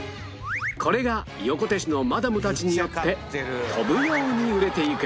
これが横手市のマダムたちによって飛ぶように売れていく